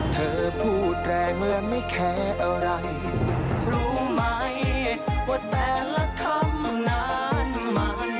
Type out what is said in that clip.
เธอพูดแรงเมื่อไม่แคร์อะไรรู้ไหมว่าแต่ละคำนานมัน